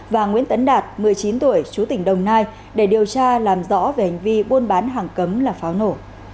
và nguyễn tấn đạt một mươi chín tuổi chú tỉnh đồng nai để điều tra làm rõ về hành vi buôn bán hàng cấm là pháo nổ